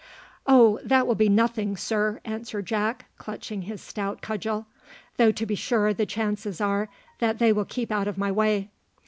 "Oh, that will be nothing, sir!" answered Jack, clutching his stout cudgel; "though to be sure the chances are that they will keep out of my way.